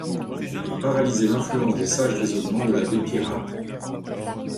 Elles paralysaient l'influence des sages raisonnements de l'abbé Pirard.